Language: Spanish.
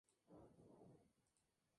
Colomo es su variante masculina.